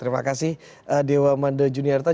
terima kasih dewa manda juniarta